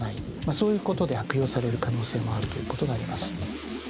そういうことで悪用される可能性もあるということがあります。